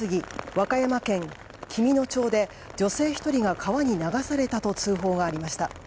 和歌山県紀美野町で女性１人が川に流されたと通報がありました。